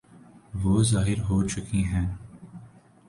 وہ ظاہر ہو چکی ہیں۔